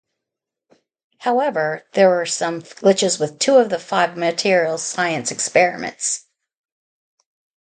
However, there were some glitches with two of the five materials science experiments.